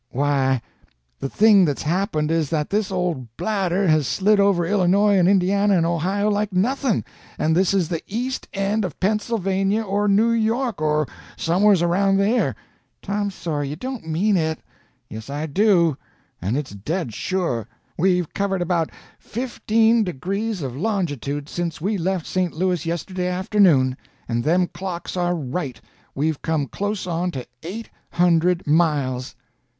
"Why, the thing that's happened is that this old bladder has slid over Illinois and Indiana and Ohio like nothing, and this is the east end of Pennsylvania or New York, or somewheres around there." "Tom Sawyer, you don't mean it!" "Yes, I do, and it's dead sure. We've covered about fifteen degrees of longitude since we left St. Louis yesterday afternoon, and them clocks are right. We've come close on to eight hundred miles."